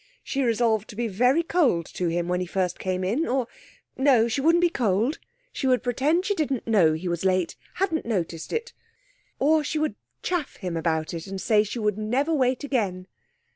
She resolved to be very cold to him when he first came in, or no, she wouldn't be cold, she would pretend she didn't know he was late hadn't noticed it; or she would chaff him about it, and say she would never wait again.